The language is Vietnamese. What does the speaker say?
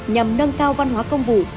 nhằm nâng cao văn hóa công vụ